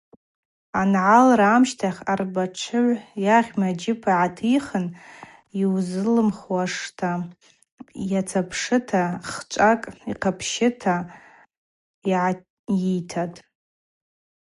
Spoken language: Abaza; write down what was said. Ангӏалра амщтахь арбатшыгӏв йагъьма джьып йгӏатихын йузалымхуашта йацапшыта хчӏвакӏ йкъапщквата йгӏайыйттӏ.